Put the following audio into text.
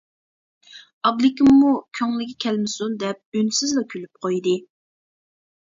ئابلىكىممۇ كۆڭلىگە كەلمىسۇن دەپ ئۈنسىزلا كۈلۈپ قويدى.